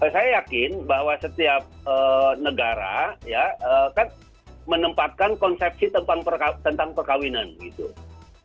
saya yakin bahwa setiap negara ya kan menempatkan konsepsi tentang perkawinan gitu